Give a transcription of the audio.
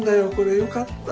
よかった。